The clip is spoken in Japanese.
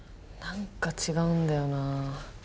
何か違うんだよなあ